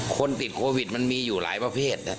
คนติดโควิดมันมีอยู่หลายประเภท